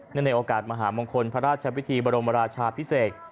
เนื่องในโอกาสมหามงคลพระราชวิทธิบรมราชาพิเศษ